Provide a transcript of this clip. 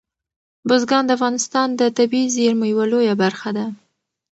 بزګان د افغانستان د طبیعي زیرمو یوه لویه برخه ده.